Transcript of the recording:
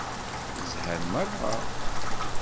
Zhan meṛṛa.